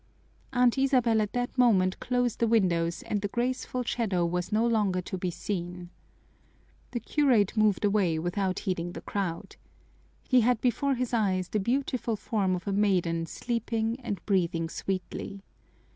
Aunt Isabel at that moment closed the windows and the graceful shadow was no longer to be seen. The curate moved away without heeding the crowd. He had before his eyes the beautiful form of a maiden sleeping and breathing sweetly.